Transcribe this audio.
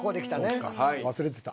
そうか忘れてた。